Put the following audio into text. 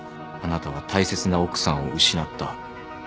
あなたは大切な奥さんを失った。